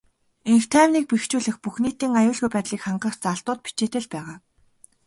Энх тайвныг бэхжүүлэх, бүх нийтийн аюулгүй байдлыг хангах заалтууд бичээтэй л байгаа.